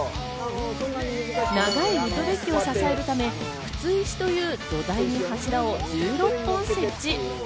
長いウッドデッキを支えるため、くつ石という土台の柱を１６本設置。